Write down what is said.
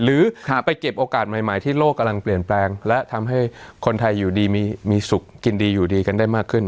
หรือไปเก็บโอกาสใหม่ที่โลกกำลังเปลี่ยนแปลงและทำให้คนไทยอยู่ดีมีสุขกินดีอยู่ดีกันได้มากขึ้น